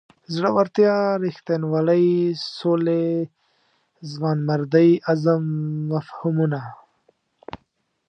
زړورتیا رښتینولۍ سولې ځوانمردۍ عزم مفهومونه.